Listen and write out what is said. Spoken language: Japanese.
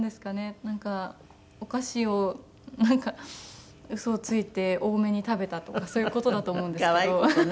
なんかお菓子をウソをついて多めに食べたとかそういう事だと思うんですけど。